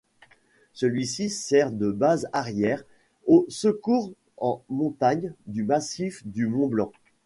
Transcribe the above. Celui-ci sert de base arrière aux secours en montagne du massif du Mont Blanc.